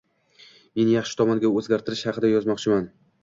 Men yaxshi tomonga o’zgartirish haqida yozmoqchiman.